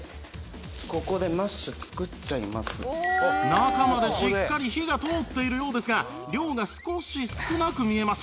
中までしっかり火が通っているようですが量が少し少なく見えます